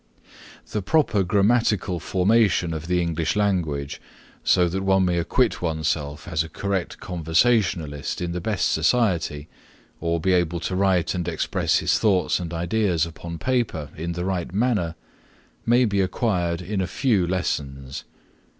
The proper grammatical formation of the English language, so that one may acquit himself as a correct conversationalist in the best society or be able to write and express his thoughts and ideas upon paper in the right manner, may be acquired in a few lessons.